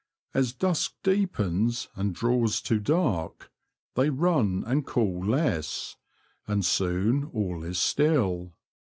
As dusk deepens and draws to dark, they run and call less, and soon all is still.